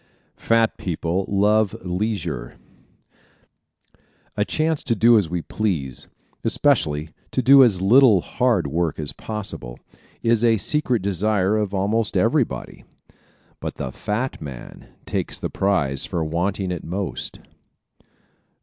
Fat People Love Leisure ¶ A chance to do as we please, especially to do as little hard work as possible, is a secret desire of almost everybody. But the fat man takes the prize for wanting it most.